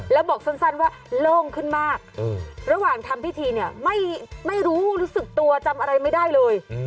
แล้วบอกสั้นว่าโล่งขึ้นมากระหว่างทำพิธีเนี่ยไม่รู้รู้สึกตัวจำอะไรไม่ได้เลย